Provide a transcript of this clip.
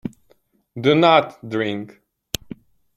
Do not drink.